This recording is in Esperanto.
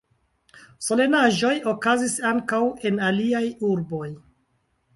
Solenaĵoj okazis ankaŭ en aliaj urboj.